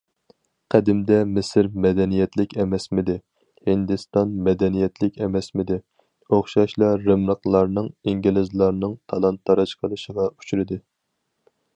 قەدىمدە مىسىر مەدەنىيەتلىك ئەمەسمىدى؟ ھىندىستان مەدەنىيەتلىك ئەمەسمىدى؟ ئوخشاشلا رىملىقلارنىڭ، ئىنگلىزلارنىڭ تالان- تاراج قىلىشىغا ئۇچرىدى.